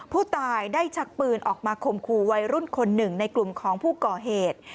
ผู้ตายได้ชักปืนออกมาข่มขู่วัยรุ่นคนหนึ่งในกลุ่มของผู้ก่อเหตุ